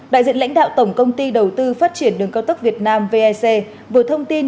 đại diện lãnh đạo tổng công ty đầu tư phát triển đường cao tốc việt nam vec vừa thông tin